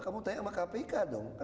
kamu tanya sama kpk dong